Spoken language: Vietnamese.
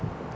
hợp tác xã